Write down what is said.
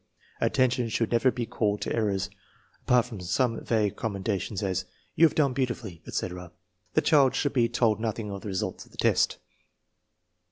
Attention should never be called to errors. Apart from such some vague commenda tion as " You have done beautifully," etc., the child should be told nothing of the result of the test.